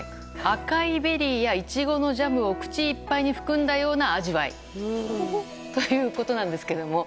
赤いベリーやイチゴのジャムを口いっぱいに含んだような味わいということなんですけども。